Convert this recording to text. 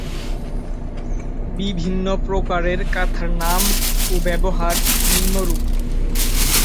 বিভিন্ন প্রকারের কাঁথার নাম ও ব্যবহার নিম্নরূপ